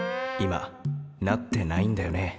「今なってないんだよね」